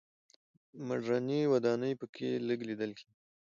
مډرنې ودانۍ په کې لږ لیدل کېږي.